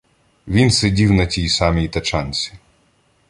Він сидів на тій самій тачанці.